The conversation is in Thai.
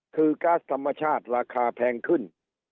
คือก๊าซธรรมชาติราคาแพงขึ้น